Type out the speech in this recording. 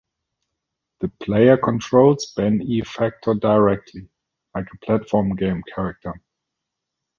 The player controls Ben E. Factor directly, like a platform game character.